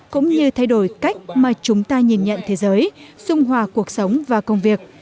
cũng như thay đổi cách mà chúng ta nhìn nhận thế giới dung hòa cuộc sống và công việc